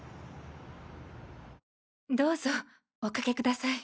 どうぞおかけください。